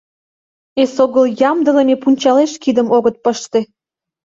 Эсогыл ямдылыме пунчалеш кидым огыт пыште.